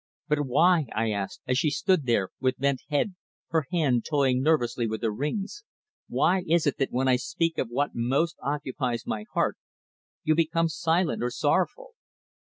"But why," I asked, as she stood there with bent head, her hand toying nervously with her rings, "why is it that when I speak of what most occupies my heart you become silent or sorrowful?"